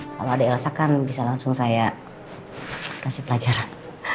kalau ada elsa kan bisa langsung saya kasih pelajaran